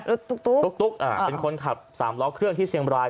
รถตุ๊กอ่าอ่าอ่าเป็นคนขับ๓ล้อเครื่องที่เชียงบราย